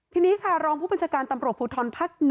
ทีนี้พฟพุทธรภูทรภาค๑